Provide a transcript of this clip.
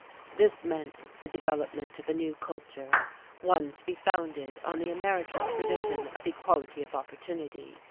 This meant the development of a new culture, one to be founded on the American tradition of equality of opportunity.